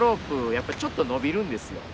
やっぱりちょっと伸びるんですよ。